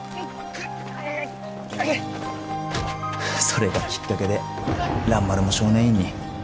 それがきっかけで蘭丸も少年院に。